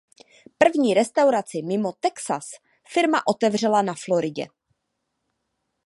První restauraci mimo Texas firma otevřela na Floridě.